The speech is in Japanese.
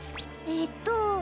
えっと。